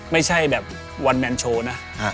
ไม่ใช่แบบวันแมนโชว์นะ